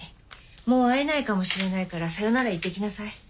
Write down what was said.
もう会えないかもしれないからさよなら言ってきなさい。